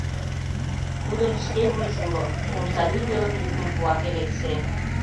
— Тудын шке вуйжо уло, — омсадӱр велым йӱкым пуа Элексе.